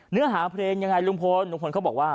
เนื้อหาเพลงยังไงลุงพลลุงพลเขาบอกว่า